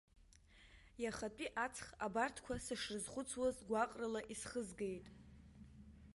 Иахатәи аҵх абарҭқәа сышрызхәыцуаз гәаҟрыла исхызгеит.